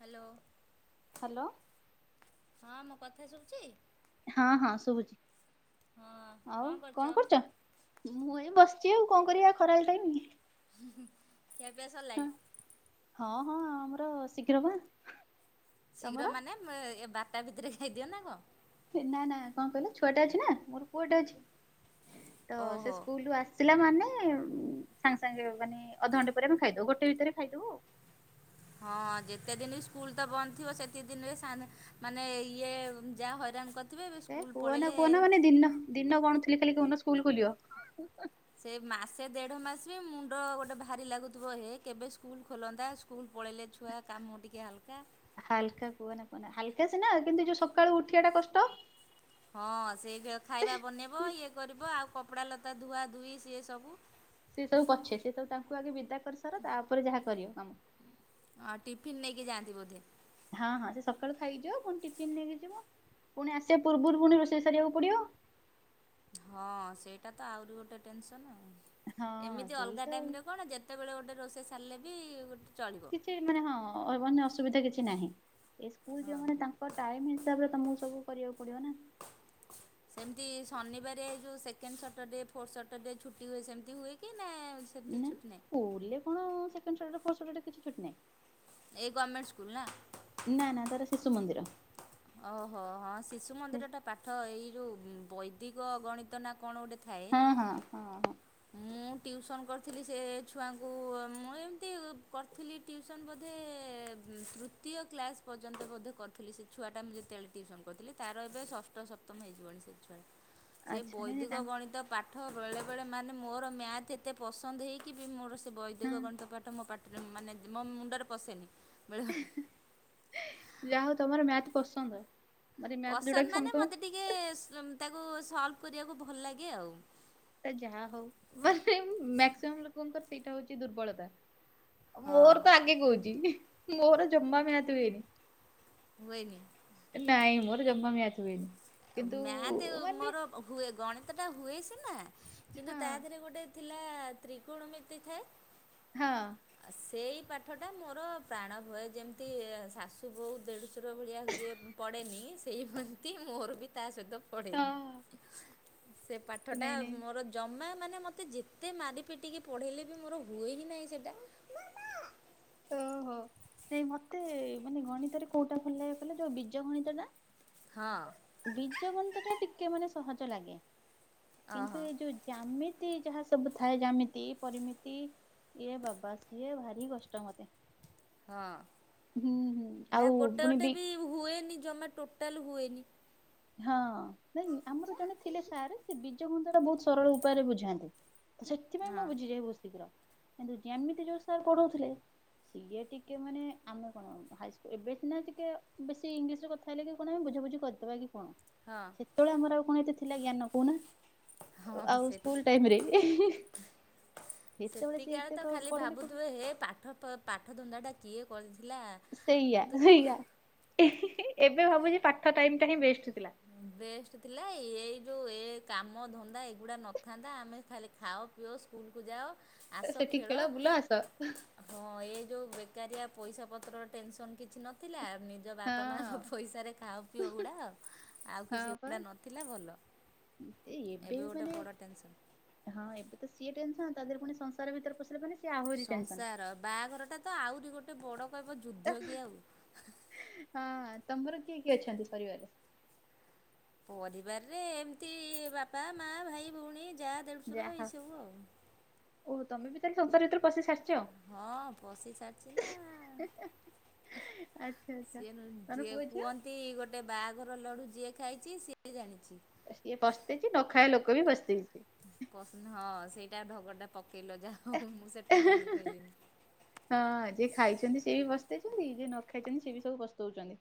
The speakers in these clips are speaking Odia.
ହ୍ୟାଲୋ। ହ୍ୟାଲୋ। ହଁ ମୋ କଥା ଶୁବୁଛି। ହଁ ହଁ ଶୁଭୁଛି ଆଉ କଣ କରୁଛ ମୁଁ ଏଇ ବସି ଚି ଆଉ କଣ କରିବା ଖରା ବେଳ ଟାଇମ୍ କେବେ ସରିଲା କି? ହଁ ହଁ ଆମର ଶୀଘ୍ର ବା ଶୀଘ୍ର ତମର? ମାନେ ଏ ବାଟା ଭିତରେ ଖାଇଦିଅ ନା କଣ? ନା ନା କଣ କହିଲେ ଛୁଆଟା ଅଛି ନା ମୋର ପୁଅଟା ଅଛି ତ ସେ ଓହୋ ସ୍କୁଲୁ ଆସିିଲା ମାନେ ସାଙ୍ଗେ ସାଙ୍ଗେ ମାନେ ଅଧଘଣ୍ଟେ ପରେ ଆମେ ଖାଇଦବୁ ଗୋଟେ ଭିତରେ ଖାଇଦବୁ ହଁ ଯେତେ ଦିନ ସ୍କୁଲ ତ ବନ୍ଦ ଥିବ ସେତେ ଦିନରେ ଶା ମାନେ ଇଏ ଯାହା ହଇରାଣ କ ଏ କୁହ ନା କୁହନା ମାନେ ଦିନ ଦିନଗଣୁଥିଲେ ଖାଲି କୋଉଦିନ ସ୍କୁଲ ଖୋଲିବ। ସେ ମାସେ ଦେଢ ମାସ ବି ମୁଣ୍ଡ ଗୋଟେ ଭାରି ଲାଗୁଥିବ ଏ କେବେ ସ୍କୁଲ ଖୋଲନ୍ତା ସ୍କୁଲ ପଳେଇଲେ ଛୁଆ କାମ ଟିକେ ହାଲକା। ହାଲକା କୁହନା କୁହନା ହାଲକା ସିନା କିନ୍ତୁ ଯୋଉ ସକାଳୁ ଉଠିବା ଟା କଷ୍ଟ। ହଁ ସେଇ [unintelligible] ଖାଇବା ବନେଇବ। ଇଏ କରିବ ଆଉ କପଡା ଲତା ଧୁଆ ଧୁଇ ସିଏ ସବୁ। ସିଏ ସବୁ ପଛେ। ସିଏ ସବୁ ତାଙ୍କୁ ଆଗେ ବିଦା କରିସାର ତାପରେ ଯାହା କରିବ କାମ। ଆଁ, ଟିଫିିନ ନେଇକି ଯାଆନ୍ତି ବୋଧେ? ହଁ, ହଁ ସେ ସକାଳୁ ଖାଇକି ଯିବ। ପୁଣି ଟିଫିନ ନେଇକି ଯିବ। ପୁଣି ଆସିବା ପୂର୍ବରୁ ପୁଣି ରୋଷେଇ ସାରିବାକୁ ପଡିବ। ହଁ ସେଇଟା ତ ଆହୁରି ଗୋଟେ ଟେନସନ୍। ହଁ ଏମିତି ସେଇ ଅଲଗା ତ ଟାଇମ୍ ରେ କଣ ଯେତେବେଳେ ଗୋଟେ ରୋଷେଇ ସାରିଲେ ବି ଗୋଟ କିଛି ମାନେ ହଁ ଅହିବନ୍ୟ ଅସୁବିଧା କିଛି ନାହିଁ। ଏ ସ୍କୁଲ୍ ହଁ। ଯିବ ମାନେ ତାଙ୍କ ଟାଇମ୍ ହିସାବରେ ତୋମକୁ ସବୁ କରିବାକୁ ପଡିବ ନା। ସେମିତି ଶନିବାରିଆ ଏଇ ଯୋଉ ସେକେଣ୍ଡ ସଟର୍ଡେ ଫୋର୍ ସଟର୍ଡେ ଛୁଟି ହୁଏ ସେମିତି ହୁଏ କି? ନା ସେମିତି ନା ଛୁଟି ନାହିଁ ସ୍କୁଲ୍ ରେ କଣ ସେକେଣ୍ଡ ସଟର୍ଡୃ ଫୋର୍ ସଟର୍ଡେ କିଛି ଛୁଟି ନାହିଁ। ଏଇ ଗର୍ମେଣ୍ଟ ସ୍କୁଲ୍ ନା? ନା ନା ତାର ଶିଶୁ ମନ୍ଦିର। ଓହୋ! ହଁ ଶିଶୁ ମନ୍ଦିରଟା ପାଠ ଏଇ ଯୋଉ ଉଁ, ବୈଦିକ ଗଣିତ ନା କଣ ଗୋଟେ ଥାଏ। ହଁ ହଁ ହଁ ହଁ ମୁଁ ଟିଉସନ୍ କରିଥିଲି ସେ ଛୁଆଙ୍କୁ ମୁଁ ଏମିତି କରିଥିଲି। ଟିଉସନ୍ ବୋଧେ ହୁଁ, ତୃତୀୟ କ୍ଲାସ୍ ପର୍ଯ୍ୟନ୍ତ ବୋଧେ କରିଥିଲି ସେ ଛୁଆଟା ମୁଁ ଯେତେବେଳେ ଟିଉସନ୍ କରିଥିଲି ତାର ଏବେ ଷଷ୍ଠ ସପ୍ତମ ହେଇଯିବଣି ସେ ଛୁଆ। ସେ ଆଚ୍ଛା ନାଇଁ ନାଇଁ ତା ବୈଦିକ ଗଣିତ ପା ଠ ବେଳେବେଳେ ମାନେ ମୋର ମ୍ୟାଥ୍ ଏତେ ପସନ୍ଦ ହେଇକି ବି। ମୋର ସେ ବୈଦିକ ହଁ ଗଣିତ ପାଠ ମୋ ପା ଟ୍ର ମାନେ ମୋ ମୁଣ୍ଡରେ ପଶେନି। ବେଳେବେଳେ ଯାହା ହଉ ତୋମର ମ୍ୟାଥ୍ ପସନ୍ଦ। ମାନେ ମ୍ୟାଥ ଯୋଉଟା ପସନ୍ଦ କି ମାନେ ମୋତେ ସମସ୍ତଙ୍କୁ ଟିକେ ତାକୁ ସଲ୍ଭ କରିବାକୁ ଭଲ ଲାଗେ ଆଉ। ଯାହା ହଉ ମାନେ ମାକ୍ସିମମ୍ ଲୋକଙ୍କର ସେଇଟା ହଉଛି ଦୁର୍ବଳତା ମୋର ତ ହଁ ଆଗେ କହୁଚି। ମୋର ଜମା ମ୍ୟାଥ୍ ହୁଏନି। ହୁଏନି। ତ ଜମା ମ୍ୟାଥ୍ ହୁଏନି। କିନ୍ତୁ ମ୍ୟାତ ମାନେ ମୋର ହୁଏ ଗଣିତ ଟା ହୁଏ ସିନା କିନ୍ତୁ ହଁ ତା ଦେହରେ ଗୋଟେ ଥି ଥିଲା ତ୍ରିକୋଣମିତି ଥାଏ। ହଁ। ସେଇ ପାଠଟା ମୋର ପ୍ରାଣ ଭୟ ଯେମିତି ଶାଶୁ ବୋଉ ଦେଢ଼ଶର ଭଳିଆ ହୁଏ ପଡ଼େନି ସେଇ ହନ୍ତି ମୋର ବି। ତା ସହିତ ପଡେନି। ହଁ ସେ ପାଠ ଟା ନାଇଁ ନାଇଁ ମୋର ଜମା ମାନେ ମୋତେ ଯେତେ ମାରି ପିଟିକି ପଢେଇଲେ ବି ମୋର ହୁଏ ହିଁ ନାହିଁ ସେଟା। ଓହୋ! ନାଇଁ ମୋତେ ମାନେ ଗଣିତରେ କୋଉଟା ଭଲ ଲାଗେ କିହିଲ ଯୋଉ ବିଜ ଗଣିତଟା ହଁ ବିଜ ଗଣିତଟା ଟିକେ ମାନେ ସହଜ ଲାଗେ। ଓହୋ କିନ୍ତୁ ଏଇ ଯୋଉ ଜ୍ୟାମି ତି ଯାହା ସବୁ ଥାଏ ଜାମିତି ପରିମିତି ଇଏ ବାବା ସିଏ ଭାରି କଷ୍ ଟ ମୋତେ। ହଁ ଆଉ ନା ଗୋଟେ ପୁଣି ଗୋଟେ ବି ହୁଏନି ଜମା ଟୋ ଟୋଟାଲ ହୁଏନି। ହଁ ନାଇଁ ଆମର ଜଣେ ଥିଲେ ସାର୍ ସେ ବିଜ ଗଣିତ ଟା ବହୁତ ସରଳ ଉପାୟରେ ବୁଝାନ୍ତି। ସେଥିପାଇଁ ମୁଁ ହଁ ବୁଝିଯାଏ ବହୁତ୍ ଶୀଘ୍ର। କିନ୍ତୁ ଜ୍ୟାମିତି ଯୋଉ ସାର୍ ପଢଉଥୁଲେ ସିଏ ଟିକେ ମାନେ ଆମେ କଣ ହାଇସ୍କୁଲ୍ ଏବେ ସିନା ଟିକେ ବେଶୀ ଇଂଲିଶରେ କଥା ହେଲେ କି କଣ ଆମେ ବୁ ବୁଝା ବୁଝି କରିଦବା କି କଣ? ହଁ ସେତେବେଳେ ଆମର ଆଉ କଣ ଏତେ ଥିଲା ଜ୍ଞାନ କହୁନା। ହଁ ଆଉ ସ୍କୁଲ୍ ଟାଇମ୍ ରେ ସେତିକିଆଳେ ତ ଖାଲି ଭାବୁଥୁବେ ହେ ପାଠ ପ-ପାଠ ଧନ୍ଦା ଟା କିଏ କରିଥି ସେଇଆ ସେଇଆ ଏବେ ଭାବୁଛଚି ପାଠ ଟାଇମ୍ ଟା ହିଁ ବେଷ୍ଟ। ଥିଲା। ବେଷ୍ଟ ଥିଲା ଏଇ ଯୋଉ ଏ କାମ ଧନ୍ଦା ଏଗୁଡ଼ା ନଥାନ୍ତା ଆମେ ଖାଲି ଖାଅ ପିଉ ସ୍କୁଲ୍ କୁ ଯାଅ। ଆସ ସେଠି ଖେଳ ବୁଲ ଆସ ହଁ ଏ ଯୋଉଁ ବେ କାରିଆ ପଇସା ପତ୍ର ଟେନସନ କିଛି ନଥିଲା ନିଜ ହଁ ବାପା ମାଆଙ୍କ ପଇସାରେ ଖାଅ ପିଅ ଉଡାଅ ଆଉ ହଁ କିଛି ଏଗୁଡା ନଥିଲା ଭଲ। ଏ ଏବେ ଗୋଟେ ମାନେ ବଡ଼ ଟେନସନ୍ ହଁ ଏବେ ତ ସିଏ ଟେନସନ୍, ତା ଦେହରେ ପୁଣି ସଂସାର ଭିତରେ ପଶିଲେ ମାନେ ସିଏ ଆହୁରି ଟେନସନ। ସଂସାର, ବାହାଘରଟା ତ ଆହୁରି ଗୋଟେ ବଡ କହିବ ଯୁଦ୍ଧ କି ଆଉ। ହଁ ତମର କିଏ କିଏ ଅଛନ୍ତି ପରିବାରରେ? ପରିବାରରେ ଏମତି ବାପା, ମା, ଭାଇ, ଭଉଣୀ ଜା, ଦେଢୁଶୁର ଏଇ ସବୁ ଆଉ। ଓହୋ ତମେ ବି ତାହେଲେ ସଂସାର ଭିତରେ ପଶି ସାରିଛ। ହଁ ପସି ସାରିଛି ନା। ଆଚ୍ଛା ଆଚ୍ଛା ସିଏ ନୁ ତମର ଯିଏ ପୁଅ ଝିଅ କୁହନ୍ତି ଗୋଟେ ବାହାଘର ଲଡୁ ଯିଏ ଖାଇଚି ସିଏ ଜାଣିଚି। ସିଏ ପସ୍ତେଇଚି ନ ଖାଇଆ ଲୋକ ବି ପସ୍ତେଇଚି। ପସନ୍ଦ [unintelligible] ଢଗଟା ପକ ଏ-ହେଁ-ହେଁ ହଁ ଯି ଖାଇଛନ୍ତି ସିଏ ବି ପ ସ୍ତେଇ ଛନ୍ତି। ଯିଏ ନ ଖାଇଛନ୍ତି ସିଏ ବି ସବୁ ପସ୍ତଉଛନ୍ତି।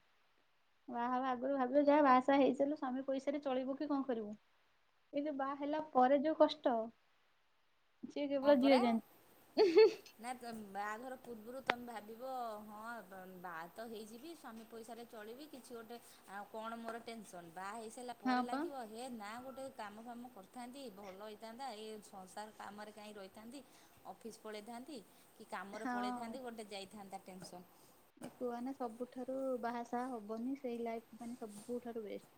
ବାହା ହବା ଆଗୁରୁ ଭାବିବ ଯାହା ବାହାସାହା ହେଇସାରଲୁ ସ୍ୱାମୀ ପଇସାରେ ଚଳିବୁ କି କଁ କରିବୁ। ଏଇ ଯୋଉ ବାହା ହେଲା ପରେ ଯୋଉ କଷ୍ଟ ସିଏ କେବଳ ହଁ ଝିଅ ପରା ଜାଣିଛି ନାଇଁ ତ ବାହାଘର ପୂର୍ବୁରୁ ତମେ ଭାବିବ ହଁ ବା ବାହା ତ ହେଇଯିବି ସ୍ୱାମୀ ପଇସାରେ ଚଳିବି କିଛି ଗୋଟେ ଆଉ କଣ ମୋର ଟେନସନ୍, ବାହା ହେଇସାଇଲା ହଁ ପରେ ପା ଲାଗିବ ହେ ନା ଗୋଟେ କାମ ଫାମ କରିଥାନ୍ତି ଭଲ ହେଇଥାନ୍ତା, ଏଇ ସଂସାର କାମରେ କାଇଁ ରହିଥାନ୍ତି ଅଫିସ ପଳେଇଥାନ୍ତି, କି କାମରେ ହଁ। ପଳେଇଥାନ୍ତି, ଗୋଟେ ଯାଇଥାନ୍ତା ଟେନସନ୍। କୁହନା ସବୁଠାରୁ ବାହାସାହା ହବନି ସେଇ ଲାଇଫ ମାନେ ସବୁଠାରୁ ବେଷ୍ଟ।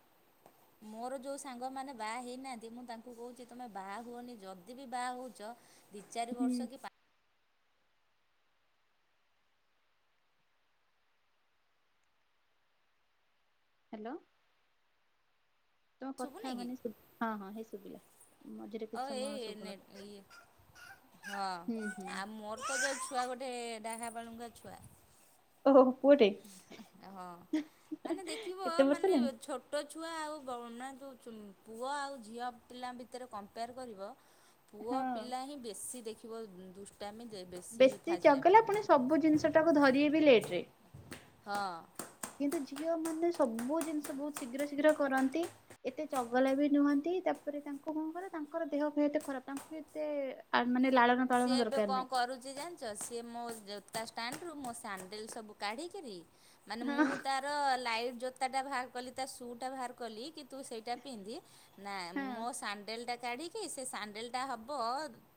ମୋର ଯୋଉ ସାଙ୍ଗମାନେ ବାହା ହେଇନାହାନ୍ତି ମୁଁ ତାଙ୍କୁ କହୁଚି ତମେ ବାହା ହୁଅନି ଯଦି ବି ବାହା ହଉଚ ଦି ଚାରି ହୁଁ ବର୍ଷ କି ପାଞ୍ଚ ହ୍ୟାଲୋ। ତମ କଥା ଶୁଭୁନି କି ମାନେ ଶୁ ହଁ ହଁ ହେଇ ଶୁଭିଲା। ମଝିରେ କିଛି ଅଉ ସମୟ ଏଇ ଶୁଭୁନଥିଲା ନେଟ ଇଏ। ହଁ ହୁଁ ହୁଁ। ଆଉ ମୋର ତ ଯୋଉ ଛୁଆ ଗୋଟେ ଡାହା ବାଳୁଙ୍ଗା ଛୁଆ। ଓହୋ ହୋ। ହଁ ମାନେ ଦେଖିବ କେତେ ବର୍ଷ ମାନେ ହେଲାଣି ଛୋଟ ଛୁଆ ଆଉ ବ ନା ଦଉଚୁନ ପୁଅ ଆଉ ଝିଅ ପିଲାଙ୍କ ଭିତରେ କମ୍ପେୟାର କରିବ ହଁ। ପୁଅ ପିଲା ହିଁ ବେଶୀ ଦେଖିବ ଦୁଷ ବେଶୀ ଚଗଲା ପୁଣି ସବୁ ଜିନିଷ ଟାକୁ ଧରିବେ ବି ଲେଟ ରେ। ହଁ। କିନ୍ତୁ ଝିଅମାନେ ସବୁ ଜିନଷ ବହୁତ ଶୀଘ୍ର ଶୀଘ୍ର କରନ୍ତି। ଏତେ ଚଗଲା ବି ନୁହଁନ୍ତି। ତାପରେ ତାଙ୍କୁ କଣ କର ତାଙ୍କର ଦେହ ଫେୟ ଏତେ ଖରାପ ତାଙ୍କୁ ବି ଏତେ ଆ ମାନେ ଲାଳନ ପାଳନ ସିଏ ଏବେ ଦରକାର କଣ ନାହିଁ। କରୁଚି ଜାଣିଚ ସିଏ ମୋ ଜୋ ତା ଷ୍ଟାଣ୍ଡରୁ ମୋ ସାଣ୍ଡେଲ ସବୁ କାଢିକରି ମାନେ ହଁ ମୁଁ ତାର ଲାଇଟ ଜୋ ତାଟା ବାହାର କଲି ତା ଶୁ ଟା ବାହାର କଲି କି ତୁ ସେଇଟା ପିନ୍ଧି, ନା ହଁ ମୋ ସାଣ୍ଡେଲ ଟା କାଢିକି ସେ ସାଣ୍ଡେଲ ଟା ହବ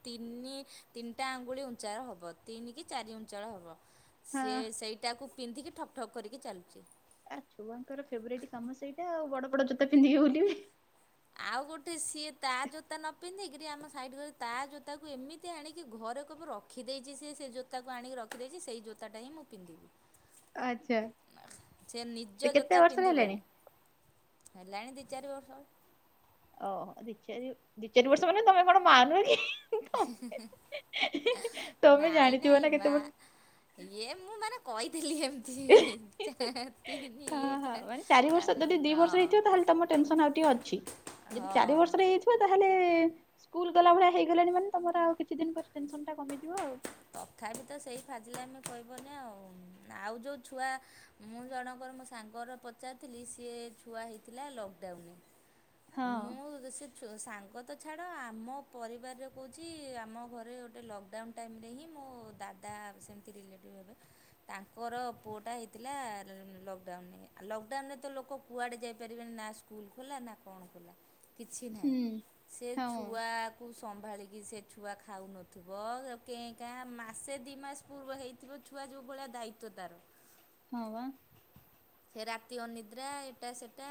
ତିନି ତିନଟା ଆଙ୍ଗୁଳି ଉଞ୍ଚାର ହବ ତିନି କି ଚାରି ଉଞ୍ଚାର ହବ, ସିଏ ହଁ ସେଇଟାକୁ ପିନ୍ଧିକି ଠକ୍ ଠକ୍ କରିକି ଚାଲୁଚି। ଆ ଛୁଆଙ୍କର ଫେବରାଇଟ୍ କାମ ସେଇଟା ଆଉ ବଡ ବଡ ଜୋତା ପିନ୍ଧିକି ବୁଲିବି। ଆଉ ବି ଆମ ସାଇଡ ଘରେ ତା ଜୋତାକୁ ଏମିତି ଆଣିକି ଘରେ କେବେ ରଖିଦେଇଚି ସିଏ ସେ ଜୋତାକୁ ଆଣିକି ରଖିଦେଇଚି ସେଇ ଜୋତାଟା ହିଁ ମୁଁ ପିନ୍ଧିବି। ଆଚ୍ଛା। ସେ ନିଜ କେତେ ଜୋତା ବର୍ଷର ହେଲେଣି? ପିନ୍ଧିବନି। ହେଲାଣି ଦି ଚାର ବର୍ଷ ଓହ ଦିଚାରି ଦିଚାରି ବର୍ଷ ମାନ ତମେ କଣ ମାନ [unintelligible] ତମେ ନାଇଁ ଜାଣିଥିବ ନାଇଁ ନା କେତେ ମା ବର୍ଷ ଇଏ ମୁଁ ମାନେ ତିତିନ, ହଁ ହଁ ମାନେ ଚାର, ଚାରି ବର୍ଷ ଯଦି ଦି ବର୍ଷ ହେଇଥିବ ତାହେଲେ ତମ ହଁ। ଆଉ ଟିକ ଅଛି ଯଦି ହଁ ଚାରି ବର୍ଷରେ ହେଇବ ତାହେଲେ ସ୍କୁଲ ଗଲା ଭଳିଆ ହେଇଗଲାଣି, ମାନେ ତମର ଆଉ କିଛି ଦିନ ପରେ ଟେନସନ ଟା କମିଯିବ ଆଉ। ତଥାପି ତ ସେଇ ଫାଜିଲେ ଆମେ କହିବନି, ଆଉ ଆଉ ଯୋଉ ଛୁଆ ମୁଁ ଜଣଙ୍କର ମୋ ସାଙ୍ଗର ପଚାରିଥିଲି ସିଏ ଛୁଆ ହେଇଥିଲା ଲକଡାଉନରେ ହଁ ମୁଁ ସେ ସାଙ୍ଗ ତ ଛାଡ଼ ଆମ ପରିବାରରେ କହୁଛି ଆମ ଘରେ ଗୋଟେ ଲକଡାଉନ୍ ଟାଇମରେ ହିଁ ମୋ ହଁ ଦାଦା ସେମିତି ରିଲେଟିଭ୍ ହେବେ, ତାଙ୍କର ପୁଅଟା ହେଇଥିଲା ଲକ୍ଡାଉନ ଲକଡାଉନରେ ତ ଲୋକ କୁଆଡ଼େ ଯାଇପାରିବେନି, ନା ସ୍କୁଲ ଖୋଲା ନା କଣ ଖୋଲା କିଛି ନାହିଁ ହୁଁ ସେ ହଁ ଛୁଆକୁ ସମ୍ଭାଳିକି ସେ ଛୁଆ ଖାଉନଥିବ କେ କା ମାସେ ଦୁଇ ମାସ ପୂର୍ବ ହେଇଥିବ ଛୁଆ ଯେଉଁ ଭଳିଆ ଦାୟିତ୍ୱ ତାର। ହଁ ବା। ସେ ରାତି ଓନଦ୍ରେ ଏଇଟା ସେଟା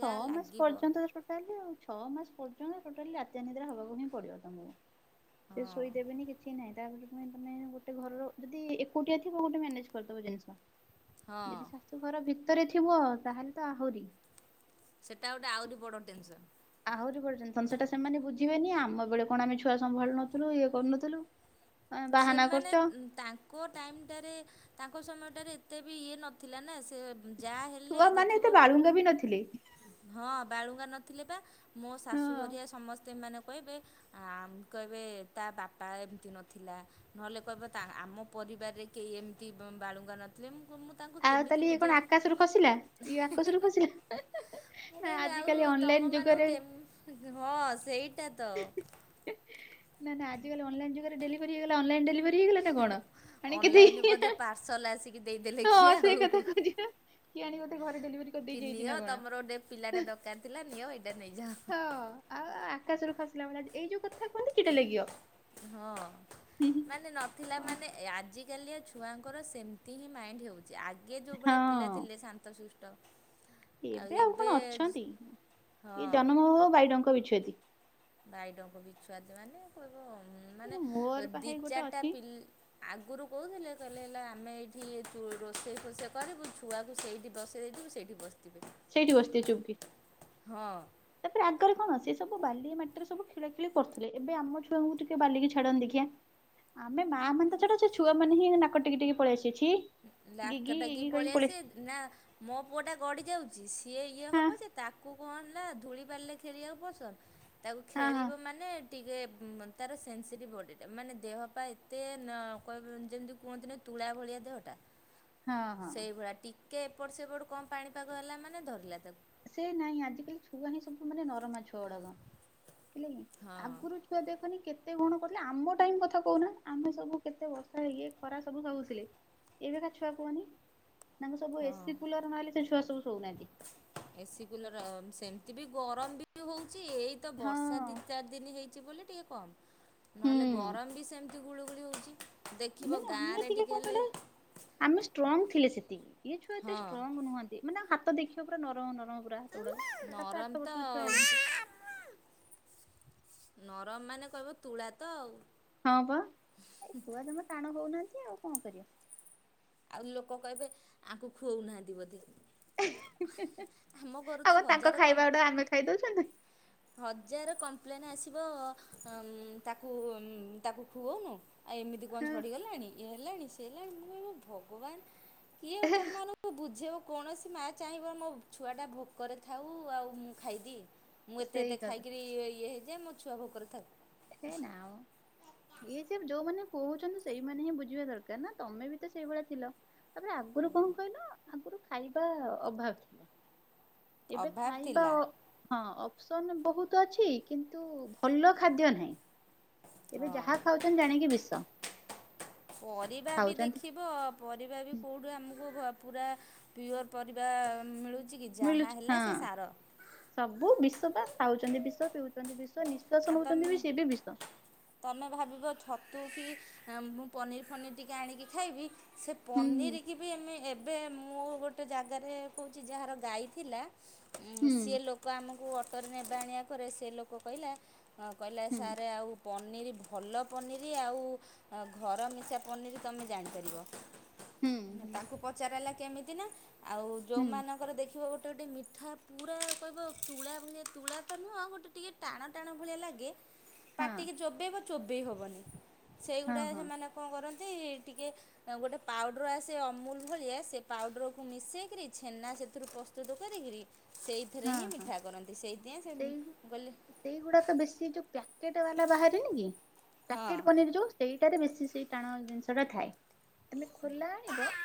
ଯାହା ଛଅ ମାସ ଲାଗିବ ପର୍ଯ୍ୟନ୍ତ ତ ଟୋଟାଲ ହଉଛି ଛଅ ମାସ ପର୍ଯ୍ୟନ୍ତ ଟୋଟାଲି ରାତି୍ୟା ନିଦ୍ରା ହବାକୁ ହିଁ ପଡିବ ତମକୁ ହଁ ସେ ଶୋଇଦେବେନି କିଛି ନାହିଁ ତାପରେ ପୁଣି ତମେ ଗୋଟେ ଘରର ଯଦି ଏଟିଆ ଥିବ ଗୋଟେ ମ୍ୟାନେଜ କରିଦବ ଜିନିଷ ହଁ ଯଦି ଶାଶୁ ଘର ଭିତରେ ଥିବ ତାହେଲେ ତ ଆହୁରି ସେଟା ଗୋଟେ ଆହୁରି ବଡ଼ ଟେନସନ୍ ଆହୁରି ପର୍ଯ୍ୟନ୍ତ ସେଟା ସେମାନେ ବୁଝିବେନି, ଆମ ବେଳେ କଣ ଆମେ ଛୁଆ ସମ୍ଭାଳୁ ନଥିଲୁ ଇଏ କରୁନଥିଲୁ- ତମେ ବାହାନା ସେମାନେ କରୁଛ ତାଙ୍କ ଟାଇମଟାରେ ତାଙ୍କ ସମୟଟାରେ ଏତେ ବି ଇଏ ନଥିଲା ନା ସେ ଯାହା ହେଲେ ଛୁଆ ମାନେ ଏତେ ଦେଖିବ ବାଳୁଙ୍ଗା ବି ନଥିଲେ ହଁ ବାଳୁଙ୍ଗା ନଥିଲେ ପା ମୋ ହଁ। ଶାଶୁଘଆ ସମସ୍ତେ ମାନେ କହିବେ କହିବେ ତା ବାପା ଏମିତି ନ ଥିଲା ନହେଲେ କହିବ ଆମ ପରିବାରରେ କେହି ଏମିତି ବାଳୁଙ୍ଗା ନଥିଲେ ମୁଁ ମୁଁ ତାଙ୍କୁ ଆଉ କେମିତି ତାହଲେ ଇଏ କଣ ବୁଝେଇବି ଆକାଶରୁ ଖସିଲା ଇଏ ଆକାଶରୁ ଖସିଲା ନା ଆଜି କାଲି ତମ ମାନଙ୍କୁ କେ ହଁ ସେଇଟା ତ ନା ନା ଆଜିକାଲି ଅନଲାଇନ ଯୁଗରେ ଡେଲିଭରି ହେଇଗଲା ଅନ୍‌ଲାଇନ୍ ଡେଲିଭରି ହେଇଗଲା ନା କଣ? ଆଣିକି ଅନଲାଇନ ଦେଇ ବୋଧେ ପାର୍ସଲ ଆସିକି ଦେଇଦେଲେ। ହଁ କିଏ ସେଇ କଥା ଆଉ କିବା କି ଆଣି ଡେଲିଭରି କି କରିଦେଇ ଯାଇଛି ନିଅ ନା କଣ ତମର ଗୋଟେ ପିଲାଟା ଦରକାର ଥିଲା ନିଅ ଏଇଟା ନେଇଯାଅ। ହଁ ଆଉ ଆକାଶରୁ ଖସିଲା ଭଳି ଏଇ ଯୋଉ କଥା କୁହନ୍ତି କିଟେ ଲାଗିବ। ହଁ ହୁଁ ମାନେ ନଥିଲା ହୁଁ ମାନେ ଆଜି ଆଜିକାଲି ଛୁଆଙ୍କର ସେମିତି ହିଁ ମାଇଣ୍ଡ ହେଉଛି, ଆଗେ ଯେଉଁ ଭଳିଆ ପିଲା ହଁ ଥିଲେ ଶାନ୍ତ ଶିଷ୍ଟ ଏବେ ଆଉ କଣ ଅଛନ୍ତି ଇଏ ହଁ ଜନମ ହଉହଉ ବାଇଡଙ୍କ ବିଛୁଆତି। ବାଇଡଙ୍କ ବିଛୁଆତି ମାନେ କହିବ ହଁ ମାନେ ମୋର ପା ଦି ହେଇ ଗୋଟେ ଚାରିଟା ଅଛି। ପିଲା ଆଗରୁ କହୁଥିଲେ କହିଲେ ହେଲା ଆମେ ଏଇଠି ରୋଷେଇ ଫୋଷେଇ କରିବୁ ଛୁଆକୁ ସେଇଠି ବସେଇ ଦେଇଥିବୁ ସେଇଠି ବସିବେ ସେଇଠି ବସିଥିବେ ଚୁପ୍‌କି। ହଁ, ତାପରେ ଆଗରେ କଣ ସେ ସବୁ ବାଲି ମାଟିରେ ସବୁ ଖେଳାଖେଳି କରୁଥିଲେ ଏବେ ଆମ ଛୁଆଙ୍କୁ ଟିକେ ବାଲିକି ଛାଡନି ଦେଖିଆ ଆମେ ମା ମାନେ ତ ଛାଡ ଛୁଆ ମେ ହିଁ ନାକ ଟିକେ ଟିକେ ପଳେଇ ଆସିବେ ଛି ନାକ ଗିଗି ଟେକିକି ଗିଗି କହିକି ପଳେଇ ଆସି ଆସିବେ ନା ମୋ ପୁଅ ଟା ଗଡି ଯାଉଛି ସିଏ ଇଏ ହଁ ହେବ ଯେ ତାକୁ କଣିଲ ଧୂଳି ବାଲିରେ ଖେଳିବାକୁ ପସନ୍ଦ ତାକୁ ହଁ ହଁ ଖେଳିବ ମାନେ ଟିକେ ତାର ସେନ୍ସିଟିଭ୍ ବଡ଼ିଟା ମାନେ ଦେହ ପାଇଁ ଏତେ ଯେ ମିତି ତୁଳା ଭଳିଆ ଦେହ ହଁ ହଁ। ଟିକେ ଏପଟ ସେପଟ କମ ପାଣିପାଗ ହେଲା ମାନେ ଧରିଲା ତାକୁ ସେ ନାଇଁ ଆଜିକାଲି ଛୁଆ ହିଁ ସବୁ ମାନେ ନରମା ଛୁଆ ଗୁଡ଼ାକ। [unintelligible] ହଁ ଆଗରୁ ଛୁଆ ଦେଖନି କେ ତେ କଣ କରୁଥିଲେ ଆମ ଟାଇମ୍ କଥା କହୁନା ଆମେ ସବୁ କେତେ ବର୍ଷା ହେଇ ଖରା ସବୁ ସହୁଥିଲେ। ଏବେକା ଛୁଆ କୁହନି ତାଙ୍କୁ ସବୁ ହଁ ଏସିି କୁଲର ନହେଲେ ସେ ଛୁଆ ସବୁ ଶୋଉନାହାନ୍ତି। ଏସି କୁଲର ସେମିତି ବି ଗରମ ବି ହଉଛି ଏଇତ ବର୍ଷା ଦି ହଁ ଚାରି ଦିନ ହେଇଛି ବୋଲି ଟିକେ [unintelligible] ନହେଲେ ଗରମ ବି ସେମତି ନା ନା ଆମେ ଗାଁରେ ଟିକେ କଣ ହେଲେ କହିଲେ ଆମେ ଷ୍ଟ୍ରଙ୍ଗ ଥିଲେ ସେତିକି। ଏ ଛୁଆ ଏତେ ହଁ ଷ୍ଟ୍ରଙ୍ଗ ନୁହଁନ୍ତି ମାନେ ହାତ ଦେଖିବ ପୁରା ନରମ ନରମ। ହଁ ପୁରା ହାତ ଗୁଡାକ ସାତ ନରମ ଆଠ ତ ବର୍ଷର ଛୁଆ ହେଲାଣି ସବୁ। ନରମ ମାନେ କହିବ ତୁଳା ତ ଆଉ। ହଁ ପା। ଆଉ ଲୋକ କହିବେ ଆଙ୍କୁ ଖୁଅଉନାହାନ୍ତି ବୋଧେ। ଆମ ଘରୁ ତ ଆଉ ତାଙ୍କ ହଜାରେ କମ୍ ଖାଇବା ଗୁଡ଼ା ଆମେ ଖାଇ ଦଉଛନ୍ତି। ହଜାର କମ୍ପ୍ଲେନ୍ ଆସିବ ତାକୁ ତାକୁ ଖୁଅଉନୁ? ଆଉ ଏମିତି କଣ ଝଡ଼ିଗଲାଣି ଇଏ ହେଲାଣି ସେ ହେଲାଣି ମୁଁ କହିବି ଭଗବାନ କିଏ ତମମାନଙ୍କୁ ବୁଝେଇବ? କୌଣସି ମାଆ ଚାହିଁବ ମୋ ଛୁଆଟା ଭୋକରେ ଥାଉ ଆଉ ମୁଁ ଖାଇଦିଏ? ମୁଁ ଏତେ ସେଇ ଏତେ କଥା ଖାଇକିରି ଇଏ ହେଇଯାଏ ମୋ ଛୁଆ ଭୋକରେ ଥାଉ। ହେ ନା ମ ଇଏ ସେ ଯୋଉମାନେ କହୁଛନ୍ତି ସେଇମାନେ ହିଁ ବୁଝିବା ଦରକାର ନା ତମେ ବି ତ ସେଇଭଳିଆ ଥିଲ ତାପରେ ଆଗରୁ କଣ କହିଲ ଆ ଖାଇବା ଅଭାବ ଥିଲା ଏବେ ଅଭାବ ଖାଇବା ଥିଲା ହଁ ସନ୍ ବହୁତ ଅଛି କିନ୍ତୁ ଭଲ ଖାଦ୍ୟ ନାହିଁ। ଏବେ ହଁ ଯାହା ଖାଉଛନ୍ତି ଜାଣିକି ବିଷ। ପରିବା ବି ଖାଉଛନ୍ତି ଦେଖିବ ପରିବା ବି କୋଉଠୁ ଆମକୁ ଭ ପୁରା ପିଓର ପରିବା ମିଳୁଛି? କି ଯାହା ମିଳୁଛି ହେଲା ହଁ ସେ ସାର ସବୁ ବିଷ ତ ଖାଉଛନ୍ତି ବିଷ ପିଉ [unintelligible] ନିଶ୍ୱାସ ଆଉ ନଉଛନ୍ତି ବି ତମେ ସେ ବି ବିଷ। ତୁ କି ମୁଁ ପନିର୍ ଫନିର ଟିକେ ଆଣିକି ଖାଇବି। ସେ ହୁଁ ପନିର କି ବି ଆମେ ଏବେ ମୁଁ ଗୋଟେ ଜାଗାରେ କହୁଛି ଯାହାର ଗାଈ ଥିଲା ହୁଁ ସିଏ ଲୋକ ଆମ ଜୋଉ ଅଟୋରେ ନେବା ଆଣିବା କରେ ସେ ଲୋକ କହିଲା କହିଲା ହୁଁ ସାର୍ ଆଉ ପନିର୍ ଭଲ ପନିରି ଆଉ ଘର ମିଶା ପନିରି ତମେ ଜାଣିପାରିବ। ହୁଁ ହୁଁ ତାଙ୍କୁ ପଚାରାହେଲା କେମିତି ନା ଆଉ ହୁଁ ଯୋଉମାନଙ୍କର ଦେଖିବୁ ଗୋଟେ ଗୋଟେ ମିଠା ପୁରା କହିବ ତୁଳା ଭଳିଆ ତୁଳା ତ ନୁହଁ ଗୋଟେ ଟିକେ ଟାଣ ଟାଣ ଭଳିଆ ଲାଗେ ହଁ ପାଟିକି ଚୋବେଇବ ଚୋବେଇ ହବନି। ସେଇଗୁଡ଼ା ହଁ ହଁ ସେମାନେ କଣ କରନ୍ତି? ଟିକେ ଗୋଟେ ପାଉଡ଼ର ଆସେ ଅମୁଲୁ ଭଳିଆ ସେ ପାଉଡ଼ରକୁ ମିସେଇକିରି ଛେନା ସେଥିରୁ ପ ପ୍ରସ୍ତୁତ କରିକିରି ସେଇଥିରେ ହିଁ ହଁ ହଁ ମିଠା କରନ୍ତି ସେଇଥିପାଇଁ ସେଇ ସେ କହିଲି ସେଇଗୁଡାକ ବେଶୀ ଯୋଉ ପ୍ୟାକେଟ ବାଲା ବାହାରେନି କି ହଁ ପ୍ୟାକେଟ ପନିର ଯୋଉ ସେଇଟାରେ ବେଶୀ ସେଇ ଟାଣ ଜିନିଷ ଟା ଥାଏ ତମେ ଖୋଲା ଆଣିବ।